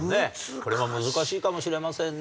これも難しいかもしれませんね。